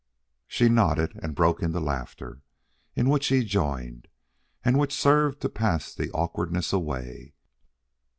She nodded and broke into laughter, in which he joined, and which served to pass the awkwardness away.